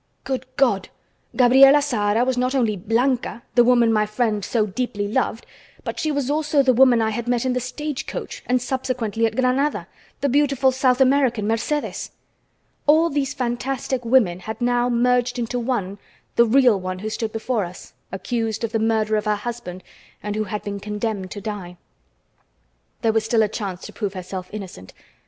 Good God! Gabriela Zahara was not only Blanca, the woman my friend so deeply loved, but she was also the woman I had met in the stagecoach and subsequently at Granada, the beautiful South American, Mercedes! All these fantastic women had now merged into one, the real one who stood before us, accused of the murder of her husband and who had been condemned to die. There was still a chance to prove herself innocent.